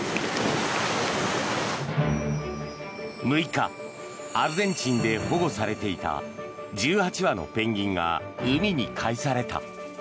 ６日アルゼンチンで保護されていた１８羽のペンギンが海に返された。